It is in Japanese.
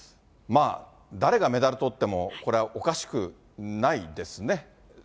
誰がメダルとっても、これはおかしくないですね。